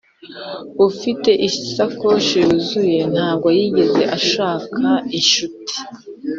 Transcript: ufite isakoshi yuzuye ntabwo yigeze ashaka inshuti.